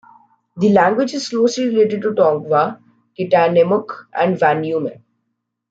The language is closely related to Tongva, Kitanemuk and Vanyume.